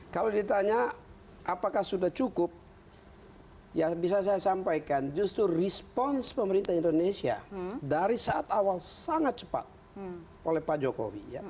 kalau ditanya apakah sudah cukup ya bisa saya sampaikan justru respons pemerintah indonesia dari saat awal sangat cepat oleh pak jokowi